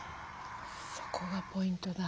そこがポイントだ。